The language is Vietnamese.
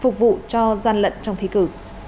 phục vụ cho gian lận trong thí cử